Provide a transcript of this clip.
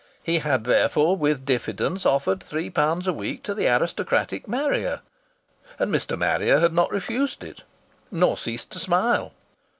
He had therefore, with diffidence, offered three pounds a week to the aristocratic Marrier. And Mr. Marrier had not refused it, nor ceased to smile.